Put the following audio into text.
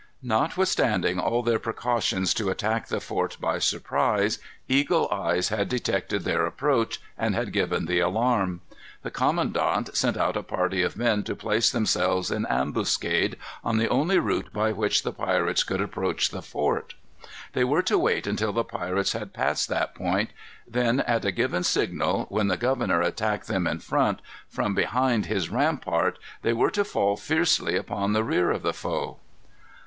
Notwithstanding all their precautions to attack the fort by surprise, eagle eyes had detected their approach, and had given the alarm. The commandant sent out a party of men to place themselves in ambuscade, on the only route by which the pirates could approach the fort. They were to wait until the pirates had passed that point, then, at a given signal, when the governor attacked them in front, from behind his rampart, they were to fall fiercely upon the rear of the foe.